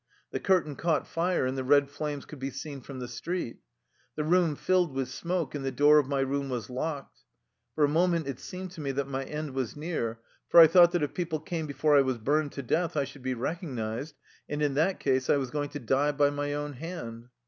The curtain caught fire, and the red flames could be seen from the street. The room filled with smoke, and the door of my room was locked. For a moment it seemed to me that my end was near; for I thought that if people came before I was burned to death, I should be recog nized, and in that case I was going to die by my own hand.